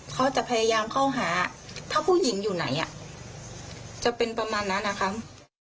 เขาจะพยายามเข้าหาถ้าผู้หญิงอยู่ไหนจะเป็นประมาณนั้นนะครับ